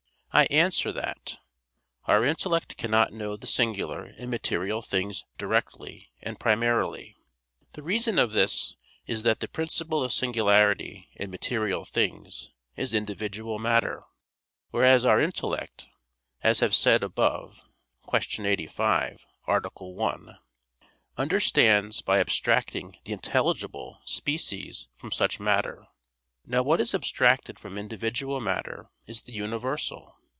I answer that, Our intellect cannot know the singular in material things directly and primarily. The reason of this is that the principle of singularity in material things is individual matter, whereas our intellect, as have said above (Q. 85, A. 1), understands by abstracting the intelligible species from such matter. Now what is abstracted from individual matter is the universal.